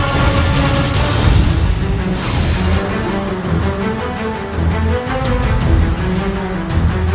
kanda tidak bisa menghadapi rai kenterimanik